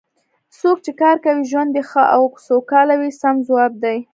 څوک چې کار کوي ژوند یې ښه او سوکاله وي سم ځواب دی.